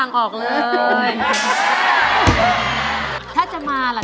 แก้มขอมาสู้เพื่อกล่องเสียงให้กับคุณพ่อใหม่นะครับ